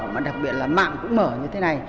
mà đặc biệt là mạng cũng mở như thế này